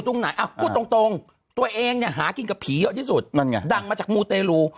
จริงตัวเองหากินกับผีเยาะที่สุดดั่งมาจากมูเตรู